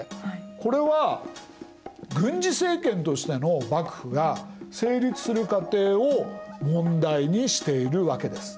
これは軍事政権としての幕府が成立する過程を問題にしているわけです。